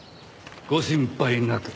ご心配なく。